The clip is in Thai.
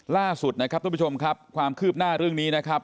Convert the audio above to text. ล่าสุดนะครับทุกผู้ชมครับความคืบหน้าเรื่องนี้นะครับ